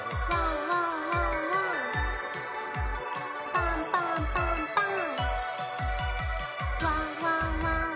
パンパンパンパン。